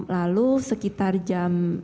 lalu sekitar jam